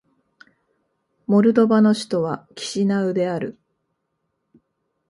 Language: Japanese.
モルドバの首都はキシナウである